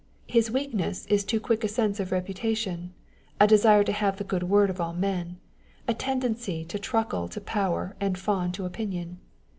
His weakness is too quick a sense of reputation, a desire to have the good word of all men, a tendency to truckle to power and fawn on opinion.